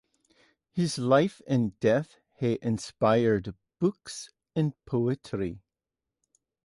His life and death have inspired books and poetry.